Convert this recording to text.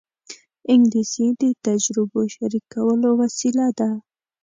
انګلیسي د تجربو شریکولو وسیله ده